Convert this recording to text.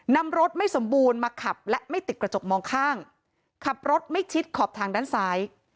นำรถไม่สมบูรณ์มาขับและไม่ติดกระจกมองข้างขับรถไม่ชิดขอบทางด้านซ้าย